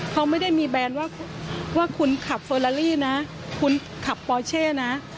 เขาไม่ได้มีแบรนด์ว่าคุณขับเฟอลาลี่นะคุณขับปอเช่นะ